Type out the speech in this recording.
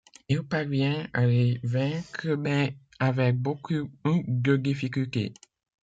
Il parvient à les vaincre mais avec beaucoup de difficultés.